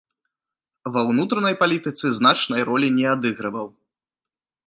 Ва ўнутранай палітыцы значнай ролі не адыгрываў.